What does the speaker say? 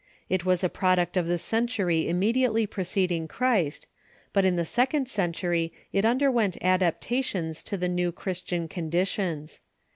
It was a product of the century immediately preceding Christ, but in the second century it underwent adaptations to the new Chris tian conditions.